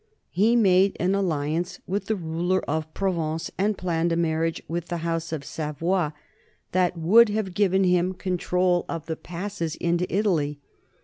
He made an alliance with the ruler of Provence and planned a marriage with the house of Savoy that would have given him control of the passes THE NORMAN EMPIRE 91 into Italy.